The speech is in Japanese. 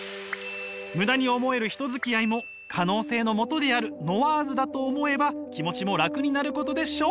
ムダに思える人付き合いも可能性のもとであるノワーズだと思えば気持ちも楽になることでしょう！